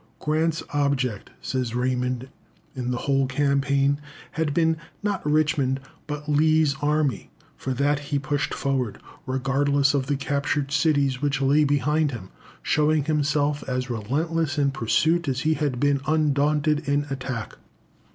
"Grant's object," says Raymond, "in the whole campaign, had been, not Richmond, but Lee's army; for that he pushed forward, regardless of the captured cities which lay behind him, showing himself as relentless in pursuit as he had been undaunted in attack."